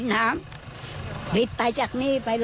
ให้เคยมาคุมเนี่ย